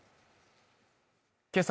けさ